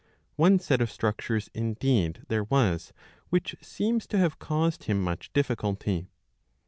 One set of structures indeed there was which seems to have caused him much difficulty.